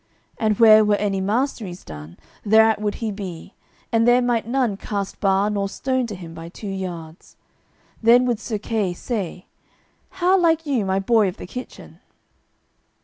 And where were any masteries done, thereat would he be, and there might none cast bar nor stone to him by two yards. Then would Sir Kay say, "How like you my boy of the kitchen?"